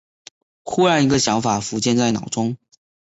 忽然一个想法浮现在脑中